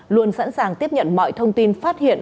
luôn sẵn sàng tiếp nhận mọi thông tin phát hiện